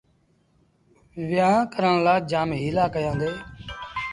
ويهآݩ ڪرڻ لآ جآم هيٚلآ ڪيآݩدي۔